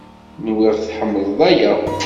Nwiɣ tḥemmleḍ aya.